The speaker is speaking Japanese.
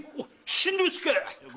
新之助！